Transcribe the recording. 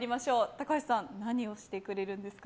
高橋さん何をしてくれるんですか。